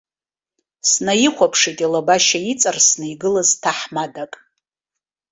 Снаихәаԥшит илабашьа иҵарсны игылаз ҭаҳмадак.